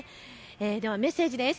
ではメッセージです。